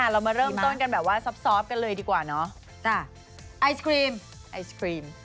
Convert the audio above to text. เรามาเริ่มต้นกันแบบว่าซอบกันเลยดีกว่าเนาะไอศครีมไอศครีม